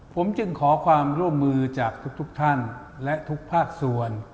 ผมจึงขอความร่วมมือจากทุกท่านและทุกภาคส่วน